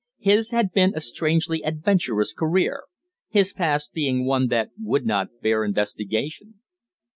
His had been a strangely adventurous career, his past being one that would not bear investigation.